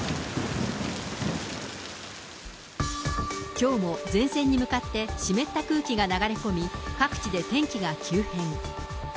きょうも前線に向かって湿った空気が流れ込み、各地で天気が急変。